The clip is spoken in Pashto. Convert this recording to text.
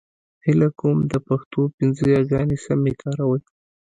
هيله کوم د پښتو پنځه يېګانې سمې کاروئ !